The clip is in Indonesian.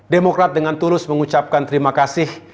demokrat dengan tulus mengucapkan terima kasih